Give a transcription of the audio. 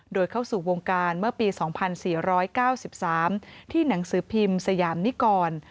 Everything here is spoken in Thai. โดยเข้าสู่วงการเมื่อปี๒๔๙๓ที่หนังสือพิมพ์สยามนิกร